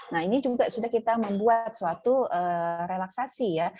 nah ini juga sudah kita membuat suatu relaksasi ya